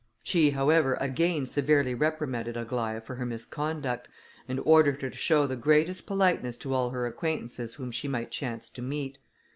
She, however, again severely reprimanded Aglaïa for her misconduct, and ordered her to show the greatest politeness to all her acquaintances whom she might chance to meet.